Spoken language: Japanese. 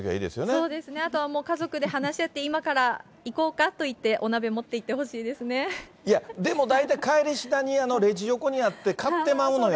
そうですよね、あとはもう家族で話し合って、今から行こうかといって、いや、でも大体、帰りしなにレジ横にあって、買ってまうのよ。